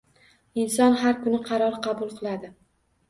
Inson har kuni qaror qabul qiladi